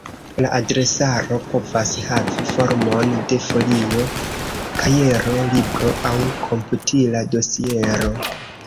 La adresaro povas havi formon de folio, kajero, libro aŭ komputila dosiero.